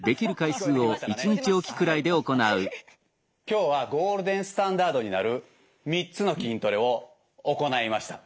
今日はゴールデンスタンダードになる３つの筋トレを行いました。